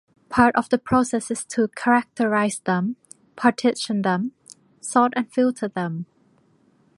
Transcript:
Part of the process is to characterize them, partition them, sort and filter them.